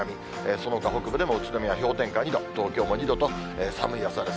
そのほか北部でも宇都宮氷点下２度、東京も２度と、寒い朝です。